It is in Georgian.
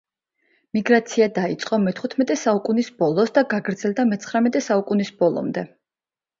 მიგრაცია დაიწყო მეთხუთმეტე საუკუნის ბოლოს და გაგრძელდა მეცხრამეტე საუკუნის ბოლომდე.